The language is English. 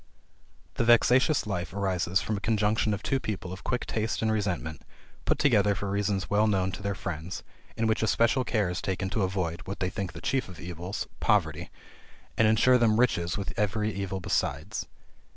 The vexatious life arises from a conjunction of two people of quick taste and resentment, put together for reasons well known to their friends, in which especial care is taken to avoid (what they think the chief of evils) poverty; and ensure them riches with every evil besides.